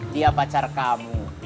dia pacar kamu